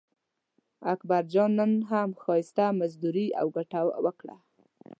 اکبرجان نن هم ښایسته مزدوري او ګټه وکړه.